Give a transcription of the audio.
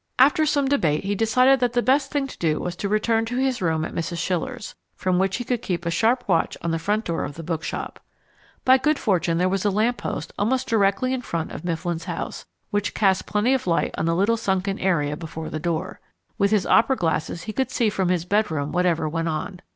After some debate he decided that the best thing to do was to return to his room at Mrs. Schiller's, from which he could keep a sharp watch on the front door of the bookshop. By good fortune there was a lamp post almost directly in front of Mifflin's house, which cast plenty of light on the little sunken area before the door. With his opera glasses he could see from his bedroom whatever went on.